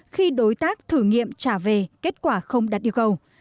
khi đối tác thử nghiệm trả về kết quả không đạt yêu cầu